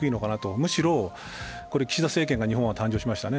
むしろ岸田政権が日本は誕生しましたね。